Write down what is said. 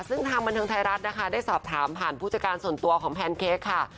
ซึ่งทางบันเทิงไทยรัฐนะคะได้สอบถามผ่านผู้จัดการส่วนตัวของแพนเค้กค่ะ